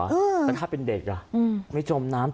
แต่ถ้าเป็นเด็กอ่ะไม่จมน้ำ